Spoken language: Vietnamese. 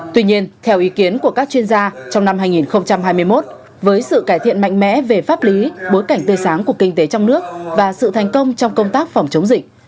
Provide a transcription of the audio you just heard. tuy nhiên theo ý kiến của các chuyên gia trong năm hai nghìn hai mươi một với sự cải thiện mạnh mẽ về pháp lý bối cảnh tươi sáng của kinh tế trong nước và sự thành công trong công tác phòng chống dịch